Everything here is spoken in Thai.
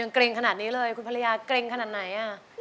เกร็งขนาดนี้เลยคุณภรรยาเกร็งขนาดไหน